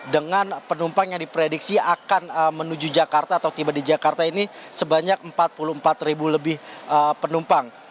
dengan penumpang yang diprediksi akan menuju jakarta atau tiba di jakarta ini sebanyak empat puluh empat ribu lebih penumpang